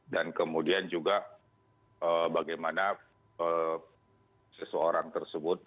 dan kemudian juga bagaimana seseorang tersebut